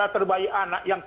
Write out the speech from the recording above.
terbaik anak yang